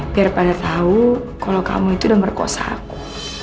biar pada tahu kalau kamu itu udah merkosa aku